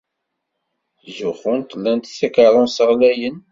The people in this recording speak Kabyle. Ttxuzzunt lant takeṛṛust ɣlayen.